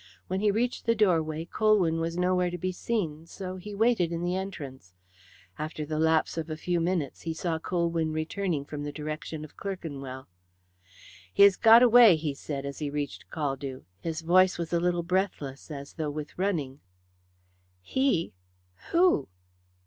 When he reached the doorway Colwyn was nowhere to be seen, so he waited in the entrance. After the lapse of a few minutes he saw Colwyn returning from the direction of Clerkenwell. "He has got away," he said, as he reached Caldew. His voice was a little breathless, as though with running. "He? Who?"